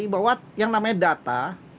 bahwa yang namanya data